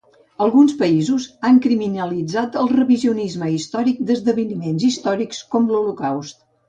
Alguns països han criminalitzat el revisionisme històric d'esdeveniments històrics com l'Holocaust.